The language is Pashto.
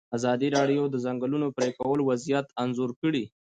ازادي راډیو د د ځنګلونو پرېکول وضعیت انځور کړی.